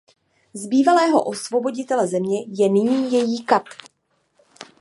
Z bývalého osvoboditele země je nyní její kat.